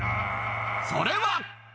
それは。